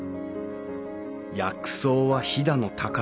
薬草は飛騨の宝。